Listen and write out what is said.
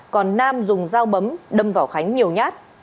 còn nam dùng dao bấm đâm vào khánh nhiều nhát